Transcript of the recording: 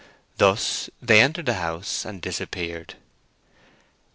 Thus they entered the house and disappeared.